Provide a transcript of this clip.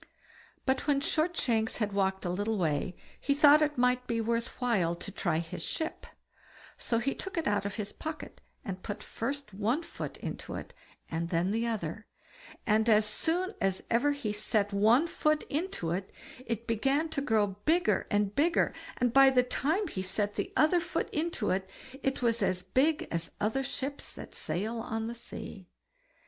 But when Shortshanks had walked a little way, he thought it might be worth while to try his ship; so he took it out of his pocket, and put first one foot into it, and then the other; and as soon as ever he set one foot into it, it began to grow bigger and bigger, and by the time he set the other foot into it, it was as big as other ships that sail on the sea.